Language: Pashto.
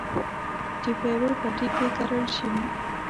چې په يوه پټي کې کرل شوي.